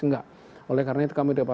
enggak oleh karena itu kami dapat